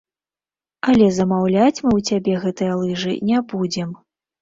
Але замаўляць мы ў цябе гэтыя лыжы не будзем.